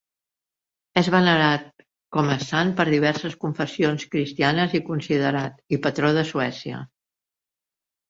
És venerat com a sant per diverses confessions cristianes i considerat i patró de Suècia.